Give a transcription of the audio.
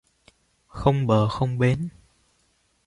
Không bờ không bến